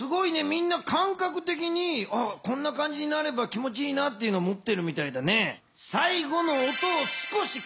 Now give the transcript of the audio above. みんなかんかくてきにこんな感じになれば気もちいいなっていうのもってるみたいだね。